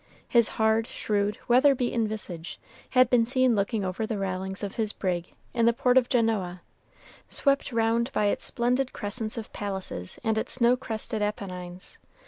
His hard, shrewd, weather beaten visage had been seen looking over the railings of his brig in the port of Genoa, swept round by its splendid crescent of palaces and its snow crested Apennines.